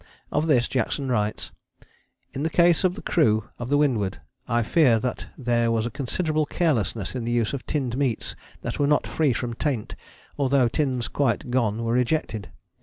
Of this Jackson writes: "In the case of the crew of the Windward I fear that there was considerable carelessness in the use of tinned meats that were not free from taint, although tins quite gone were rejected....